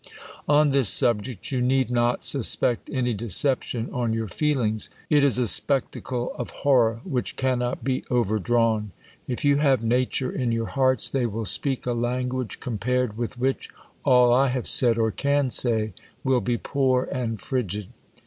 On this subject you need not suspect any deception on your feelings. It is a spectacle of horror which cannot be overdrawn. If you have nature in your hearts, they will speak a language, compared with which, all 1 have said or can say, will be poor and frigid.